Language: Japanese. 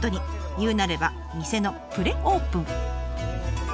言うなれば店のプレオープン。